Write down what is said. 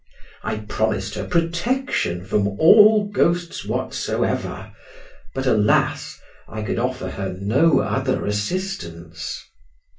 I promised her protection against all ghosts whatsoever, but alas! I could offer her no other assistance.